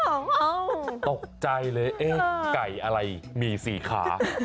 โอ้โหตกใจเลยไก่อะไรมีสี่ขา